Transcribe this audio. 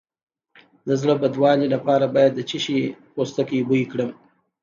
د زړه بدوالي لپاره باید د څه شي پوستکی بوی کړم؟